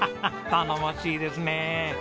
頼もしいですね。